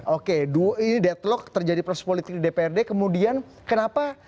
oke ini deadlock terjadi proses politik di dprd kemudian kenapa